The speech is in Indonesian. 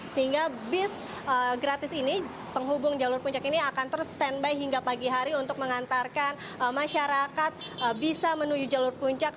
sehingga bis gratis ini penghubung jalur puncak ini akan terus standby hingga pagi hari untuk mengantarkan masyarakat bisa menuju jalur puncak